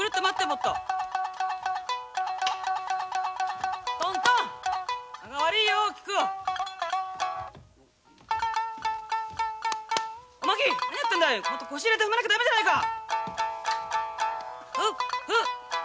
もっと腰入れて踏まなきゃ駄目じゃないか！